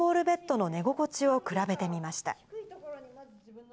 ベッドの寝心地を比べてみました。